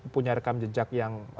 punya rekam jejak yang